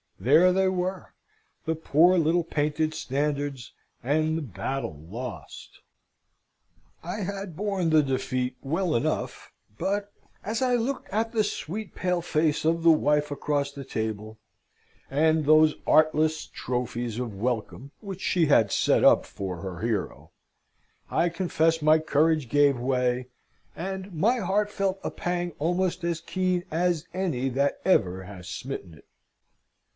There they were; the poor little painted standards and the battle lost! I had borne the defeat well enough, but as I looked at the sweet pale face of the wife across the table, and those artless trophies of welcome which she had set up for her hero, I confess my courage gave way, and my heart felt a pang almost as keen as any that ever has smitten it.